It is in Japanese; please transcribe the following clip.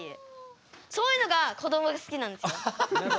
そういうのがこどもが好きなんですよ。